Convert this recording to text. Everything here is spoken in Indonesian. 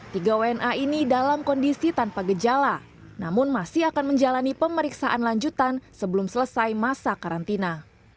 tiga wna ini dalam kondisi tanpa gejala namun masih akan menjalani pemeriksaan lanjutan sebelum selesai masa karantina